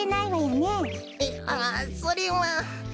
えっああそれは。